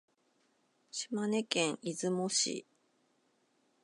島根県出雲市